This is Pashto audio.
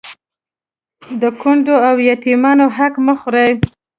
د کونډو او يتيمانو حق مه خورئ